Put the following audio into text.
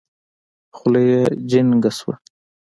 خوله يې جينګه سوه.